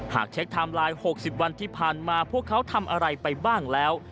หากเช็คไทม์ไลน์๖๐วันที่ผ่านมาพวกเขาทำอะไรไปบ้างแล้ว